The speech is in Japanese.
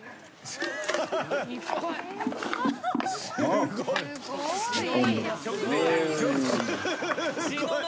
すごい。